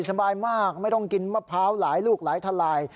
สบายมากไม่ต้องกินมะพร้าวหลายลูกหลายทลาย